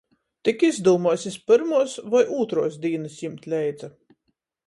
Tik izdūmuos, iz pyrmuos voi ūtruos dīnys jimt leidza.